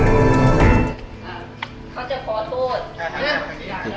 จะเขาจะขอโทษก็อยากแล้วเขาจะขอโทษ